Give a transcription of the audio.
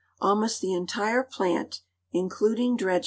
Almost the entire plant, including dredges.